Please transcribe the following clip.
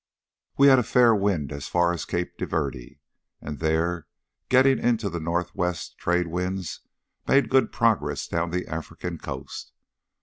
"We had a fair wind as far as Cape de Verde, and there, getting into the north west trade winds, made good progress down the African coast.